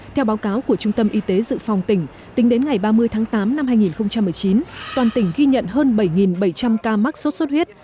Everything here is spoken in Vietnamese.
theo báo cáo của trung tâm y tế dự phòng tỉnh tính đến ngày ba mươi tháng tám năm hai nghìn một mươi chín toàn tỉnh ghi nhận hơn bảy bảy trăm linh ca mắc sốt xuất huyết